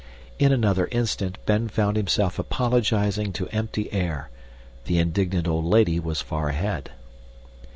In another instant Ben found himself apologizing to empty air. The indignant old lady was far ahead.